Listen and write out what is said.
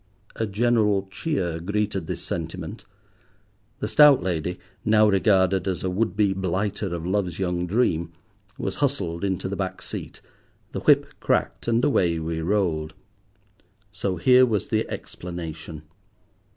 A general cheer greeted this sentiment. The stout lady, now regarded as a would be blighter of love's young dream, was hustled into the back seat, the whip cracked, and away we rolled. So here was the explanation.